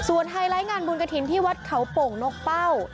ส่วนไฮไลท์งานบุญกระถิ่นซึ่งที่วัดขาวปกนกเป้า